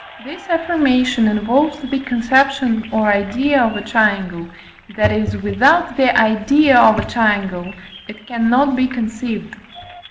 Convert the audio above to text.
This affirmation involves the conception or idea of a triangle, that is, without the idea of a triangle it cannot be conceived.